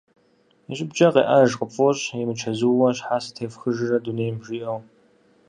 И щӏыбкӏэ къеӏэж къыпфӏощӏ «имычэзууэ щхьэ сытефхыжрэ дунейм?» жиӏэу.